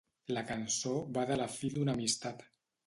La cançó va de la fi d'una amistat.